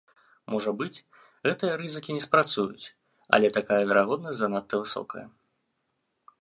Можа быць, гэтыя рызыкі не спрацуюць, але такая верагоднасць занадта высокая.